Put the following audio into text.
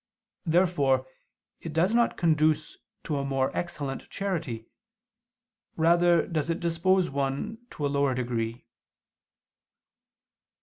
Therefore it does not conduce to a more excellent charity, rather does it dispose one to a lower degree.